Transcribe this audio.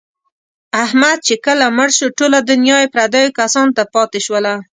احمد چې کله مړ شو، ټوله دنیا یې پردیو کسانو ته پاتې شوله.